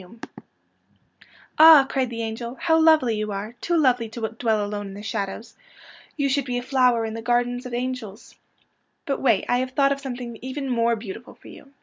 87 88 PANSY AND FORGET ME NOT '' Ah! '^ cried the angel. '' How lovely you are ! Too lovely to dwell alone in the shadows. You should be a flower in the gardens of the angels. '' But wait, I have thought of something even more beautiful for you.